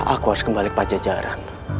aku harus kembali ke pajajara